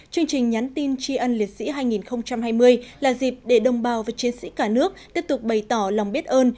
chương trình nhắn tin chi ân liệt sĩ hai nghìn hai mươi là dịp để đồng bào và chiến sĩ cả nước tiếp tục bày tỏ lòng biết ơn